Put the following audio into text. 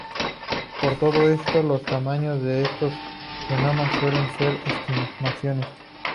Por todo esto, los tamaños de estos genomas suelen ser estimaciones.